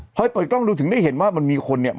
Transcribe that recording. พอให้เปิดกล้องดูถึงได้เห็นว่ามันมีคนเนี่ย